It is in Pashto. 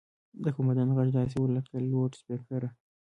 د قوماندان غږ داسې و لکه له لوډسپيکره.